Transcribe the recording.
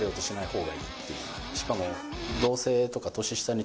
しかも。